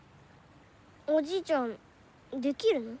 おじいちゃんできるの？